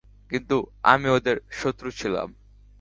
কিন্তু আমি ওদের শত্রু ছিলাম।